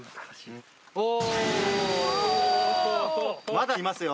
まだいますよ。